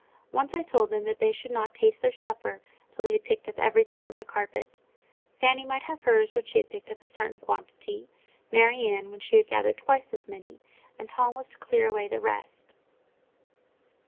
Once I told them that they should not taste their supper till they had picked up everything from the carpet; Fanny might have hers when she had taken up a certain quantity, Mary Ann when she had gathered twice as many, and Tom was to clear away the rest.